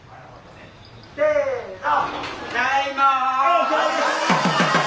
・せの。